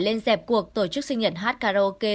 lên dẹp cuộc tổ chức sinh nhận hát karaoke